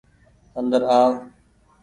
اندر آو۔